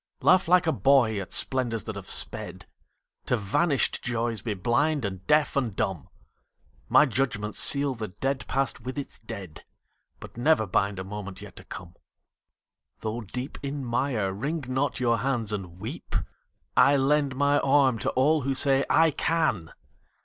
Laugh like a boy at splendors that have sped, To vanished joys be blind and deaf and dumb; My judgments seal the dead past with its dead, But never bind a moment yet to come. Though deep in mire, wring not your hands and weep; I lend my arm to all who say "I can!"